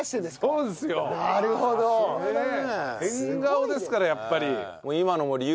変顔ですからやっぱり。